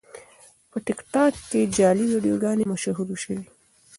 په ټیکټاک کې جعلي ویډیوګانې مشهورې شوې.